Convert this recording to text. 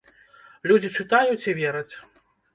Людзі чытаюць і вераць.